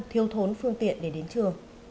thiêu thốn phương tiện để đến trường